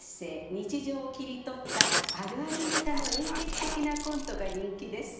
日常を切り取ったあるあるネタの演劇的なコントが人気です。